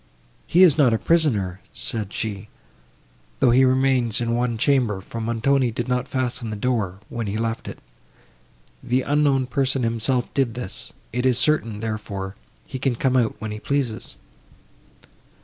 "He is not a prisoner," said she, "though he remains in one chamber, for Montoni did not fasten the door, when he left it; the unknown person himself did this; it is certain, therefore, he can come out when he pleases."